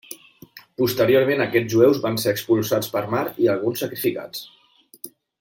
Posteriorment aquests jueus van ser expulsats per mar i alguns sacrificats.